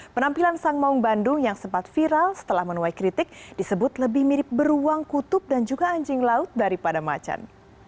penampilan sang maung bandung yang sempat viral setelah menuai kritik disebut lebih mirip beruang kutub dan juga anjing laut daripada macan